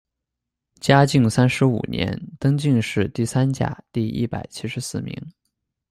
嘉靖三十五年，登进士第三甲第一百七十四名。